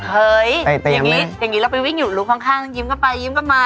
เฮ้ยอย่างนี้เราไปวิ่งอยู่ลุงข้างยิ้มกันไปยิ้มกันมา